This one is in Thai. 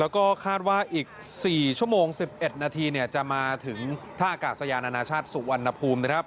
แล้วก็คาดว่าอีก๔ชั่วโมง๑๑นาทีจะมาถึงท่าอากาศยานานาชาติสุวรรณภูมินะครับ